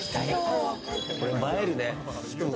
これ映えるね。